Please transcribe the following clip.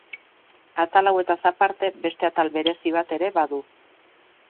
Atal hauetaz aparte beste atal berezi bat ere badu.